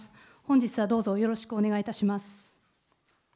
本日はどうぞよろしくお願いいたします。